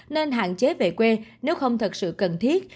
nên hạn chế về quê nếu không thật sự cần thiết